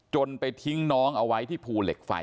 ไปทิ้งน้องเอาไว้ที่ภูเหล็กไฟ